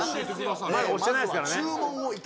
まだ押してないですからね。